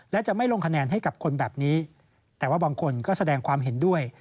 และจะไม่ลงคะแนนให้กับคนแบบนี้แต่ว่าบางคนก็แสดงความเห็นด้วย